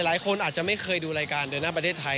หลายคนอาจจะไม่เคยดูรายการเดินหน้าประเทศไทย